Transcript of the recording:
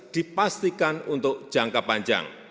dipastikan untuk jangka panjang